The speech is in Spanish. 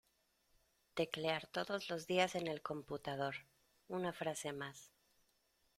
Teclear todos los dias en el computador, una frase más.